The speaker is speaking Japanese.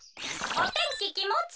「おてんききもちいい」。